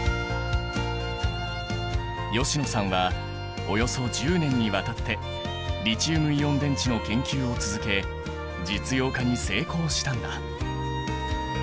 吉野さんはおよそ１０年にわたってリチウムイオン電池の研究を続け実用化に成功したんだ。